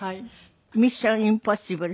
『ミッション：インポッシブル』